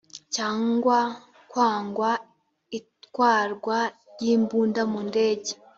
cyangwa kwanga itwarwa ry imbunda mu ndege